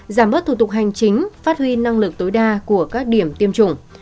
giảm bớt thủ tục hành chính phát huy năng lực tối đa của các điểm tiêm chủng